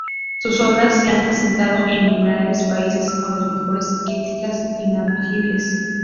Sus obras se han presentado en innumerables países con las mejores críticas imaginables.